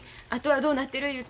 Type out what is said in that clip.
あとはどうなってる